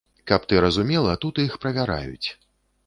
Каб ты разумела, тут іх правяраюць.